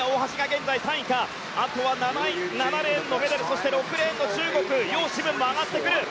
そして今、大橋が現在３位かあとは７レーンのメデルそして、６レーンの中国ヨウ・シブンも上がってくる。